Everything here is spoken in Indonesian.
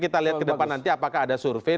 kita lihat ke depan nanti apakah ada survei